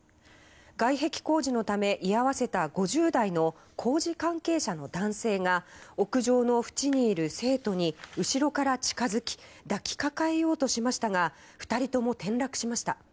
外壁工事のため居合わせた５０代の工事関係者の男性が屋上のふちにいる生徒に後ろから近づき抱きかかえようとしましたが２人とも転落しました。